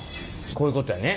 こういうことやね。